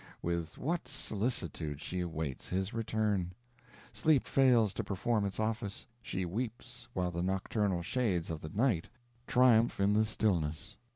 With what solicitude she awaits his return! Sleep fails to perform its office she weeps while the nocturnal shades of the night triumph in the stillness.